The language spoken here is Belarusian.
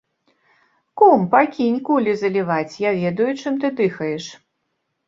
Кум, пакінь кулі заліваць, я ведаю, чым ты дыхаеш.